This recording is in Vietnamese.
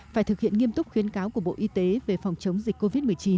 phải thực hiện nghiêm túc khuyến cáo của bộ y tế về phòng chống dịch covid một mươi chín